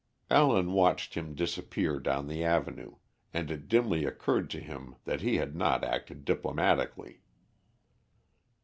Allen watched him disappear down the avenue, and it dimly occurred to him that he had not acted diplomatically.